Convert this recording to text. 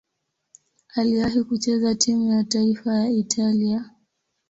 Aliwahi kucheza timu ya taifa ya Italia.